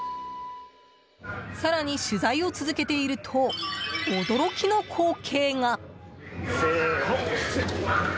更に、取材を続けていると驚きの光景が。